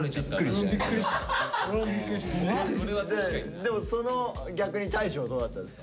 でもその逆に大昇どうだったですか？